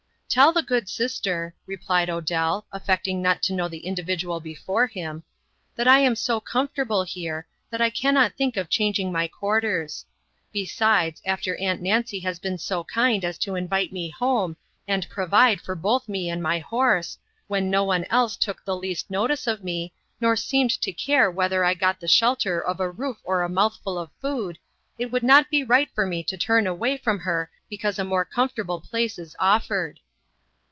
"Tell the good sister," replied Odell, affecting not to know the individual before him, "that I am so comfortable here; that I cannot think of changing my quarters. Besides, after Aunt Nancy has been so kind as to invite me home, and provide for both me and my horse, when no one else took the least notice of me, nor seemed to care whether I got the shelter of a roof or a mouthful of food, it would not be right for me to turn away from her because a more comfortable place is offered."